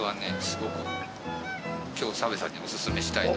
すごく今日澤部さんにおすすめしたい。